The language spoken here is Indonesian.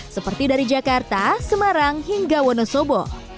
seperti dari jakarta semarang hingga wonosobo